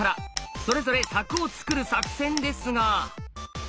それぞれ柵を作る作戦ですが。